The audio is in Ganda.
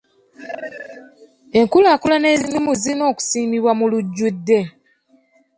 Enkulaakulana ezimu zirina okusiimibwa mu lujjudde.